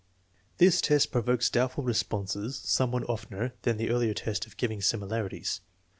This test provokes doubtful responses somewhat oftener than the earlier test of giving similarities.